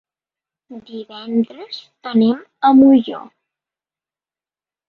Divendres anem a Molló.